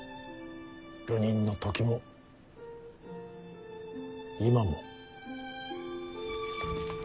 流人の時も今も。